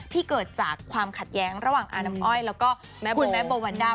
เกิดจากความขัดแย้งระหว่างอาน้ำอ้อยแล้วก็แม่คุณแม่โบวันด้า